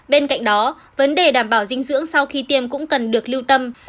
bên cạnh đó vấn đề đảm bảo dinh dưỡng sau khi tiêm cũng cần được lưu tâm